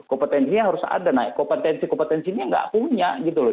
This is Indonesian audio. kompetensinya harus ada naik kompetensi kompetensinya nggak punya gitu loh